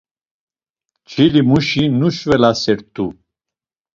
Çilimuşi nuşvelasert̆u.